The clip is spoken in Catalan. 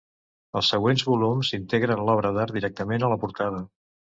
Els següents volums integren l'obra d'art directament a la portada.